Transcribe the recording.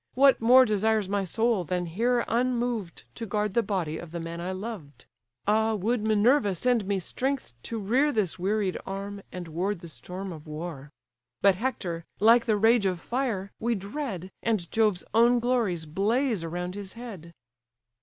What more desires my soul, than here unmoved To guard the body of the man I loved? Ah, would Minerva send me strength to rear This wearied arm, and ward the storm of war! But Hector, like the rage of fire, we dread, And Jove's own glories blaze around his head!"